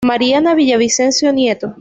Mariana Villavicencio Nieto.